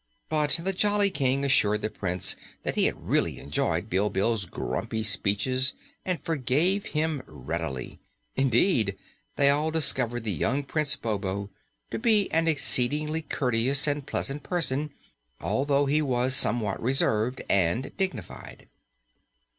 But the jolly King assured the Prince that he had really enjoyed Bilbil's grumpy speeches and forgave him readily. Indeed, they all discovered the young Prince Bobo to be an exceedingly courteous and pleasant person, although he was somewhat reserved and dignified.